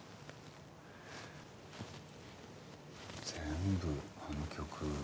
全部あの曲